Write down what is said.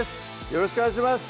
よろしくお願いします